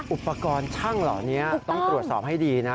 อุปกรณ์ช่างเหล่านี้ต้องตรวจสอบให้ดีนะ